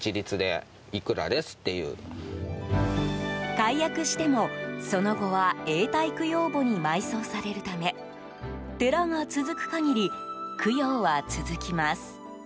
解約しても、その後は永代供養墓に埋葬されるため寺が続く限り、供養は続きます。